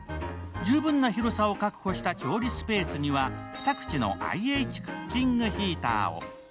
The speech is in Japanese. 十分な広さを確保した調理スペースには２口のＩＨクッキングヒーターを。